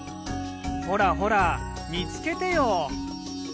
ほらほら見つけてよ。